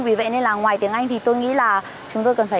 vì vậy nên là ngoài tiếng anh thì tôi nghĩ là chúng tôi cần phải